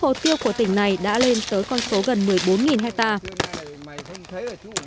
hồ tiêu của tỉnh này đã lên tới con số gần một mươi bốn hectare